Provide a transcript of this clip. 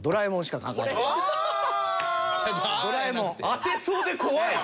当てそうで怖い。